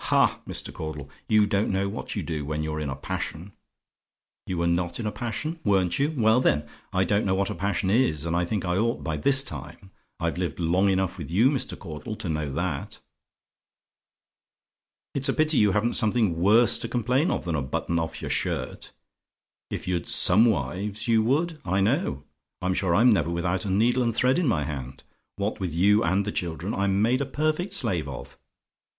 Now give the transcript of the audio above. "Ha, Mr. Caudle! you don't know what you do when you're in a passion. "YOU WERE NOT IN A PASSION? "Weren't you? Well, then, I don't know what a passion is and I think I ought by this time. I've lived long enough with you, Mr. Caudle, to know that. "It's a pity you haven't something worse to complain of than a button off your shirt. If you'd SOME wives, you would, I know. I'm sure I'm never without a needle and thread in my hand. What with you and the children, I'm made a perfect slave of.